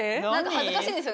恥ずかしいんですよ